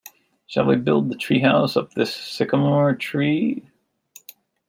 Shall we build the treehouse up this sycamore tree?